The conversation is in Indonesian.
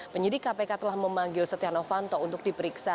penyidik kpk telah memanggil setia novanto untuk diperiksa